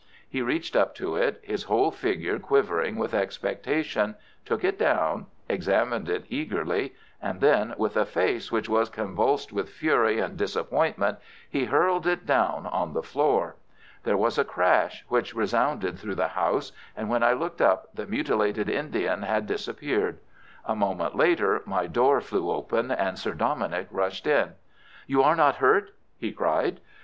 He reached up to it, his whole figure quivering with expectation, took it down, examined it eagerly, and then, with a face which was convulsed with fury and disappointment, he hurled it down on the floor. There was a crash which resounded through the house, and when I looked up the mutilated Indian had disappeared. A moment later my door flew open and Sir Dominick rushed in. "You are not hurt?" he cried.